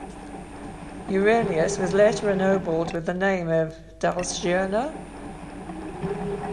Eurelius was later ennobled with the name of Dahlstjerna.